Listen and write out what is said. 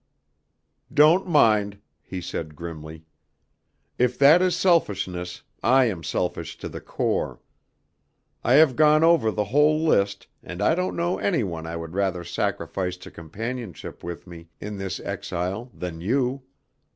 "Don't mind," he said grimly. "If that is selfishness, I am selfish to the core. I have gone over the whole list, and I don't know any one I would rather sacrifice to companionship with me in this exile than you.